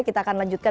kita akan lanjutkan